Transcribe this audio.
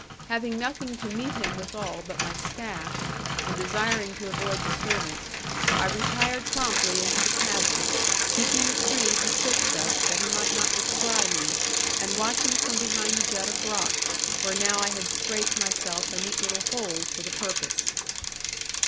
Having nothing to meet him withal but my staff, and desiring to avoid disturbance, I retired promptly into the chasm, keeping the tree betwixt us that he might not descry me, and watching from behind the jut of a rock, where now I had scraped myself a neat little hole for the purpose.